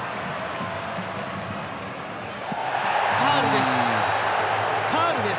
ファウルです！